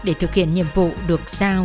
để thực hiện nhiệm vụ được giao